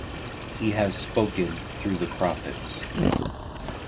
He has spoken through the Prophets.